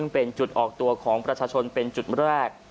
เป็นจุดออกตัวของประชาชนเป็นจุดแรก